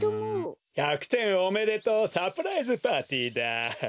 １００点おめでとうサプライズパーティーだ。